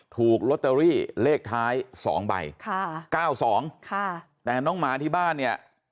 ถูกโรเตอรี่เลขท้าย๒ใบ๙๒แต่น้องหมาที่บ้านเนี่ย